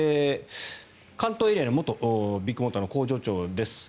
関東エリアのビッグモーターの元工場長です。